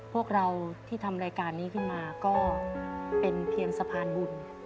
พวกเราที่ทำรายการนี้ขึ้นมาก็เป็นเพียงสะพานบุญ